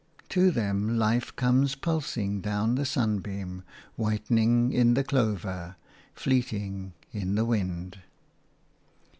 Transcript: To them life comes pulsing down the sunbeam, whitening in the clover, fleeting in the wind.